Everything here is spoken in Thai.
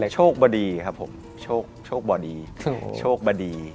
โชคบดีครับผมโชคบดี